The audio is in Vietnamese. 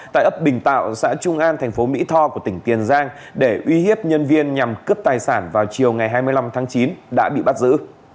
tại ấp bình tạo xã trung an thành phố mỹ tho của tỉnh tiền giang để uy hiếp nhân viên nhằm cướp tài sản vào chiều ngày hai mươi năm tháng chín đã bị bắt giữ